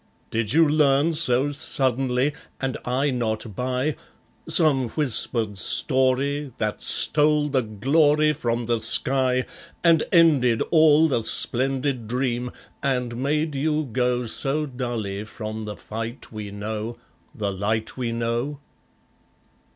Did you learn so suddenly (and I not by!) Some whispered story, that stole the glory from the sky, And ended all the splendid dream, and made you go So dully from the fight we know, the light we know?